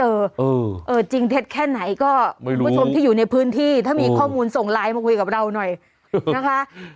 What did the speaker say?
เออเออจริงเท็จแค่ไหนก็ไม่รู้ผู้ชมที่อยู่ในพื้นที่ถ้ามีข้อมูลส่งไลน์มาคุยกับเราหน่อยนะคะ